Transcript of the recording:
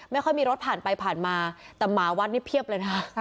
ไม่ค่อยมีรถผ่านไปผ่านมาแต่หมาวัดนี่เพียบเลยนะ